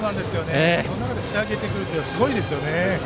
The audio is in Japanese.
その中で仕上げてくるのはすごいですよね。